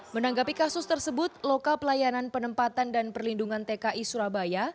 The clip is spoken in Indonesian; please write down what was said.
menanggapi kasus tersebut loka pelayanan penempatan dan perlindungan tki surabaya